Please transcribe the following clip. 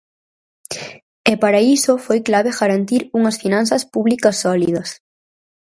E para iso foi clave garantir unhas finanzas públicas sólidas.